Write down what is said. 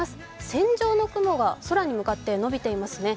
線状の雲が空に向かって伸びていますね。